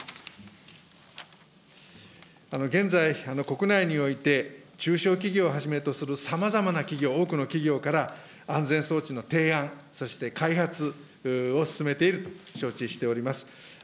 現在、国内において、中小企業をはじめとするさまざまな企業、多くの企業から安全装置の提案、そして開発を進めていると承知をしております。